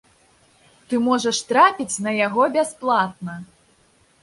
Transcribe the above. Ты можаш трапіць на яго бясплатна.